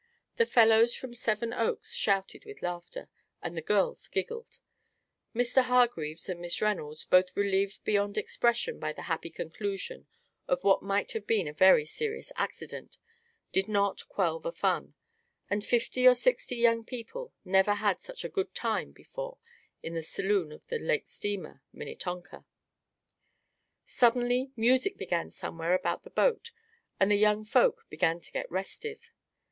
The fellows from Seven Oaks shouted with laughter, and the girls giggled. Mr. Hargreaves and Miss Reynolds, both relieved beyond expression by the happy conclusion of what might have been a very serious accident, did not quell the fun; and fifty or sixty young people never had such a good time before in the saloon of the lake steamer, Minnetonka. Suddenly music began somewhere about the boat and the young folk began to get restive.